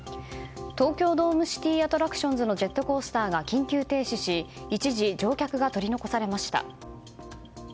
東京ドームシティ・アトラクションズのジェットコースターが緊急停止し一時、乗客が取り残されました。